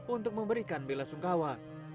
untuk memberikan bela sungkawa